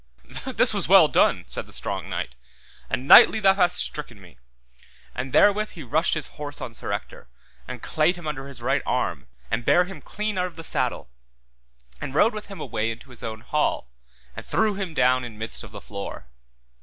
This was well done, said the strong knight, and knightly thou hast stricken me; and therewith he rushed his horse on Sir Ector, and cleight him under his right arm, and bare him clean out of the saddle, and rode with him away into his own hall, and threw him down in midst of the floor.